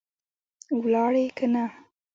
ولاړې که نه؟